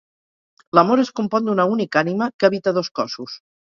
L'amor es compon d'una única ànima que habita dos cossos